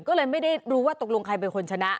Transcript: ก็เลยไม่ได้รู้ว่าตกลงใครเป็นคนชนะ